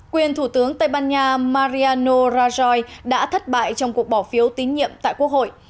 quyền thủ tướng tây ban nha mariano rajai đã thất bại trong cuộc bỏ phiếu tín nhiệm tại quốc hội